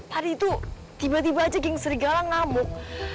tadi tuh tiba tiba aja geng serigala ngamuk